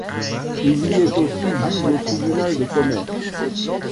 Il y est aussi juge au Tribunal de commerce.